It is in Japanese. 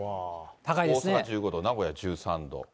大阪１５度、名古屋１３度。